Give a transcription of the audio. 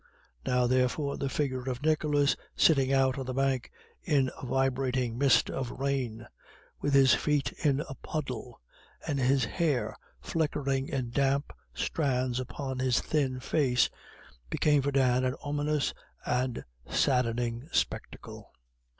Now, therefore, the figure of Nicholas sitting out on the bank in a vibrating mist of rain, with his feet in a puddle, and his hair flickering in damp strands about his thin face, became for Dan an ominous and saddening spectacle.